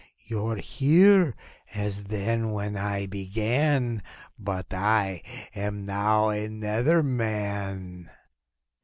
You're here, as then when I began ; But I am now another man.